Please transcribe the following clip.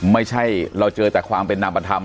ไม่ใช่เราเจอแต่ความเป็นนามธรรม